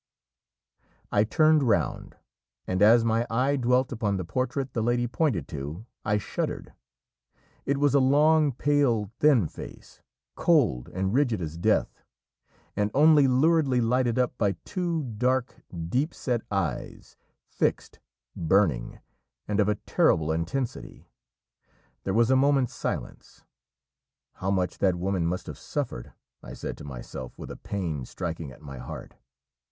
I turned round, and as my eye dwelt upon the portrait the lady pointed to, I shuddered. It was a long, pale, thin face, cold and rigid as death, and only luridly lighted up by two dark, deep set eyes, fixed, burning, and of a terrible intensity. There was a moment's silence. "How much that woman must have suffered!" I said to myself with a pain striking at my heart.